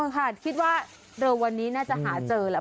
ค่ะคิดว่าเร็ววันนี้น่าจะหาเจอแล้ว